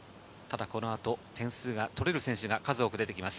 このあと得点が取れる選手が数多く出てきます。